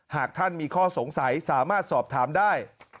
หากท่านมีข้อสงสัยสามารถสอบถามได้